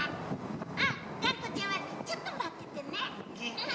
あっがんこちゃんはちょっとまっててね。